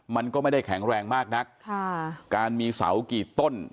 มันก็ไม่ได้แข็งแรงมากนักค่ะการมีเสากี่ต้น